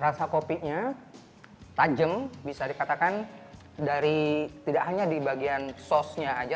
rasa kopinya tajam bisa dikatakan dari tidak hanya di bagian sosnya aja